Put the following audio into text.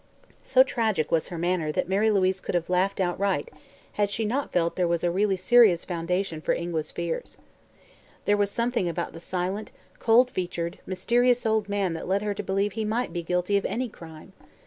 So tragic was her manner that Mary Louise could have laughed outright had she not felt there was a really serious foundation for Ingua's fears. There was something about the silent, cold featured, mysterious old man that led her to believe he might be guilty of any crime.